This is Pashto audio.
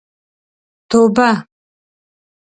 توبه.